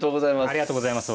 ありがとうございます。